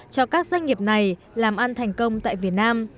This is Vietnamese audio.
cho các doanh nghiệp này làm ăn thành công tại việt nam